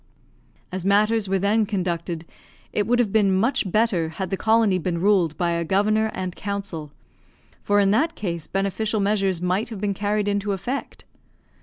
As matters were then conducted, it would have been much better had the colony been ruled by a governor and council; for, in that case, beneficial measures might have been carried into effect.